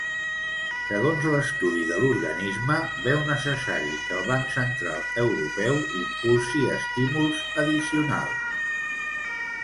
Segons l'estudi de l'organisme, veu necessari que el Banc Central Europeu impulsi estímuls addicionals.